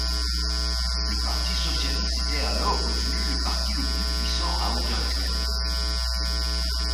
Le parti socialiste était alors devenu le parti le plus puissant à Auderghem.